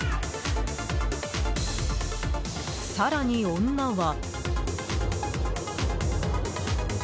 更に、女は。